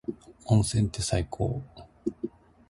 温泉って最高。